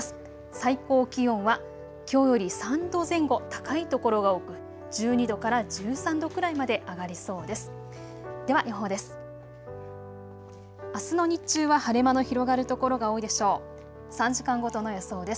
最高気温はきょうより３度前後高い所が多く、１２度から１３度くらいまで上がりそうです。